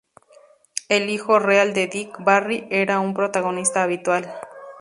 El hijo real de Dick, Barry, era un protagonista habitual.